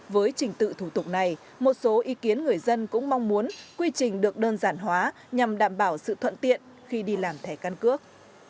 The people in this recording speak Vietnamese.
với trình tự thủ tục này một số ý kiến người dân cũng mong muốn quy trình được đơn giản hóa nhằm đảm bảo sự thuận tiện khi đi làm thẻ căn cước